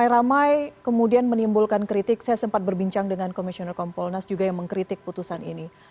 ramai ramai kemudian menimbulkan kritik saya sempat berbincang dengan komisioner kompolnas juga yang mengkritik putusan ini